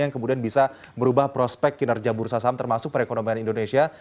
yang kemudian bisa merubah prospek kinerja bursa saham termasuk perekonomian indonesia